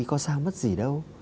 có sao mất gì đâu